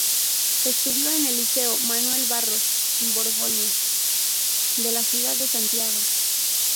Estudió en el Liceo Manuel Barros Borgoño de la ciudad de Santiago.